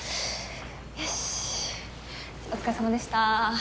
よしお疲れさまでした。